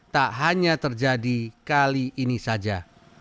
tak hanya terjadi kali ini saja